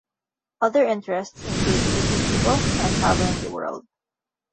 Other interests include meeting people, and travelling the world.